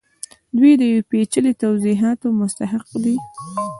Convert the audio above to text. دوی د یو پیچلي توضیحاتو مستحق دي